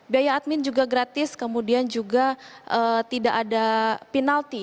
kemudian juga gratis kemudian juga tidak ada penalti